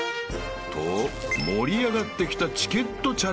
［と盛り上がってきたチケットチャレンジ］